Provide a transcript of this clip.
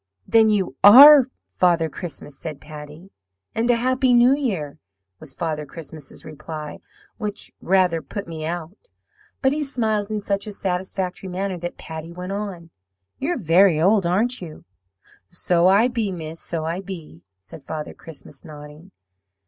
"'Then you ARE Father Christmas?' said Patty. "'And a happy New Year,' was Father Christmas's reply, which rather put me out. But he smiled in such a satisfactory manner that Patty went on, 'You're very old, aren't you?' "'So I be, miss, so I be,' said Father Christmas, nodding.